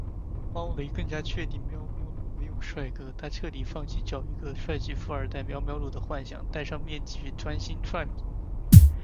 猫雷更加确定喵喵露没有帅哥，她彻底放弃找个帅气富二代喵喵露的幻想，戴上面具专心赚米